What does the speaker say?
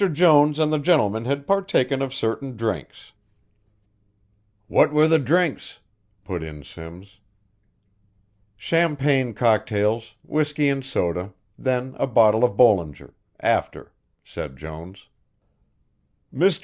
Jones and the gentleman had partaken of certain drinks." "What were the drinks?" put in Simms. "Champagne cocktails, whisky and soda, then a bottle of Bollinger after," said Jones. "Mr.